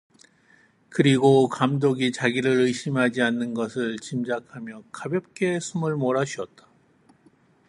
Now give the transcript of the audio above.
그리고 감독이 자기를 의심하지 않는 것을 짐작하며 가볍게 숨을 몰아쉬었다.